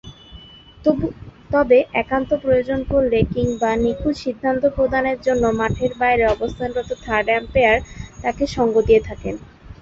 তবে, একান্ত প্রয়োজন পড়লে কিংবা নিখুঁত সিদ্ধান্ত প্রদানের জন্যে মাঠের বাইরে অবস্থানরত থার্ড আম্পায়ার তাঁকে যোগ্য সঙ্গ দিয়ে থাকেন।